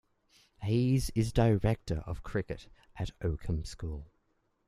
Hayes is director of cricket at Oakham School.